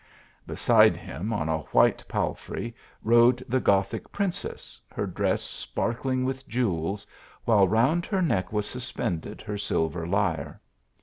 Beside him, on a white palfrey, rode the Gothic princess, her dress sparkling with jewels, while round her neck was suspended her silver lyre.